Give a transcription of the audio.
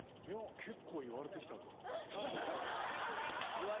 結構言われてきたな。